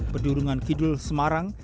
pendurungan kidul semarang